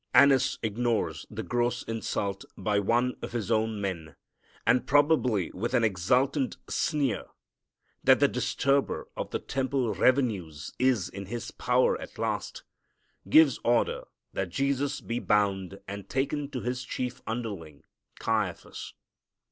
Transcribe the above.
Annas ignores the gross insult by one of his own men, and, probably with an exultant sneer that the disturber of the temple revenues is in his power at last, gives order that Jesus be bound and taken to his chief underling, Caiaphas.